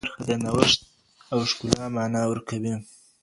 تخلیقي برخه د نوښت او ښکلا مانا ورکوي.